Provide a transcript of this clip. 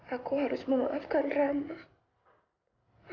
aku harus memaafkan rama